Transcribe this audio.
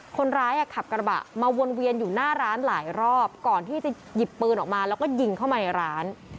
คนร้ายขับกระบะมาวนเวียนอยู่หน้าร้านหลายรอบก่อนที่จะหยิบปืนออกมาแล้วก็ยิงเข้ามาในร้าน